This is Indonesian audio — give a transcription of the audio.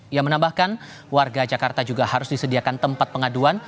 ia menambahkan warga jakarta juga harus disediakan tempat pengaduan